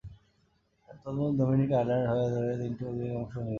তন্মধ্যে Dominic Ireland দলের হয়ে তিনটি ওডিআইয়ে অংশ নিয়েছেন।